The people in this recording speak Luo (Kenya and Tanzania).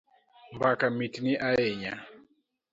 Mbaka mitni ahinya